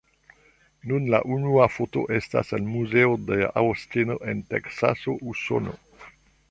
Nun la unua foto estas en muzeo de Aŭstino en Teksaso, Usono.